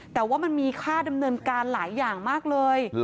แต่ว่ามันมีค่าดำเนินการหลายอย่างมากเลย